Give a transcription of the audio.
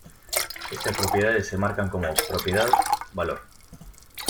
Estas propiedades se marcan como: "propiedad: valor".